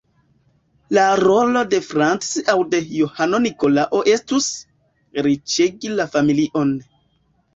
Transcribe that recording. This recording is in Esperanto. La rolo de Frantz aŭ de Johano-Nikolao estus, riĉigi la familion.